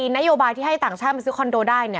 นโยบายที่ให้ต่างชาติมาซื้อคอนโดได้